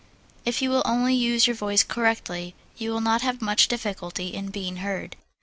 If you will only use your voice correctly, you will not have much difficulty in being heard.